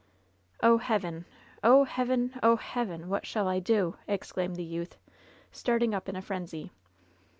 '^ "Oh, Heaven I oh. Heaven ! oh. Heaven I What shall I do ?" exclaimed the youth, starting up in a frenzy.